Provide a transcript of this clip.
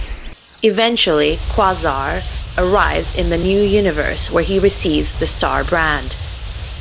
Eventually, Quasar arrives in the New Universe, where he receives the Star Brand.